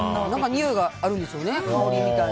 においがあるんでしょうね何か。